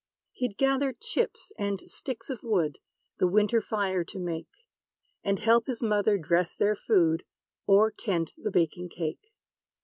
He'd gather chips and sticks of wood The winter fire to make; And help his mother dress their food, Or tend the baking cake.